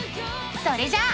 それじゃあ。